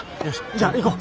じゃあ行こう。